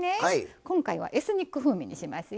今回はエスニック風味にしますよ。